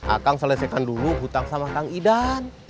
akan selesaikan dulu hutang sama kang idan